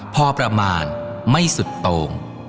พอประมาณไม่สุดโต่ง